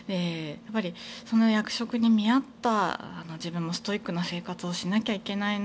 その役職に見合った自分も、ストイックな生活をしなきゃいけないな。